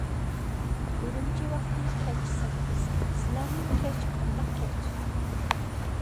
ئۈرۈمچى ۋاقتى كەچ سەككىز، سىلەرنىڭ كەچ قانداق كەچ؟